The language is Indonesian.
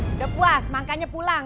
udah puas makanya pulang